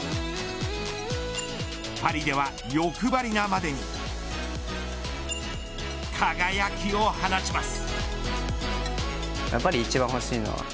パリでは、欲張りなまでに輝きを放ちます。